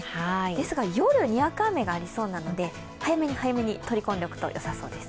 ですが夜、にわか雨がありそうなので、早めに早めに取り込んでおくとよさそうです。